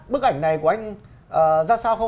bức ảnh này của anh ra sao không